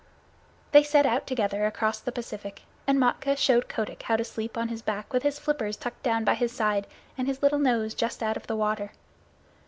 They set out together across the Pacific, and Matkah showed Kotick how to sleep on his back with his flippers tucked down by his side and his little nose just out of the water.